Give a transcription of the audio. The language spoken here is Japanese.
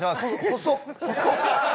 細っ！